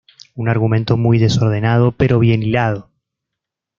Un argumento muy desordenado pero bien hilado.